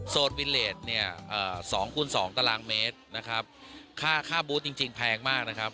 โซนวิเลส๒คูณ๒ตารางเมตรค่าบูธจริงแพงมากนะครับ